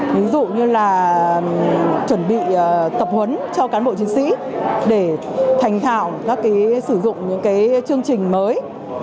ví dụ như là chuẩn bị tập huấn cho cán bộ chiến sĩ để thành thạo các cái sử dụng những cái chương trình mới